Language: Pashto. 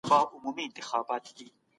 بې خطره ژوند بې خونده وي.